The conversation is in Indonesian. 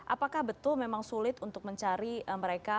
apakah betul memang sulit untuk mencari mereka